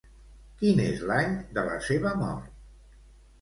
Quin és l'any de la seva mort?